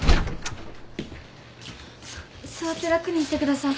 座って楽にしてください。